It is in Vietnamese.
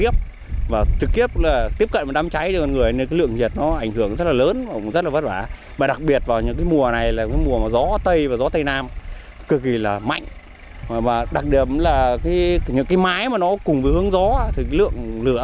máy mà nó cùng với hướng gió thì lượng lửa nó phát lên càng lớn